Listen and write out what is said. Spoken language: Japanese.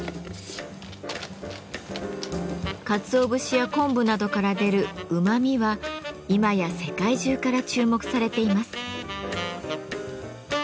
かつお節や昆布などから出るうまみは今や世界中から注目されています。